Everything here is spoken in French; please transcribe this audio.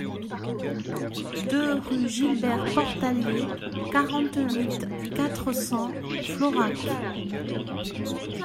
deux rue Gilbert Portalier, quarante-huit, quatre cents, Florac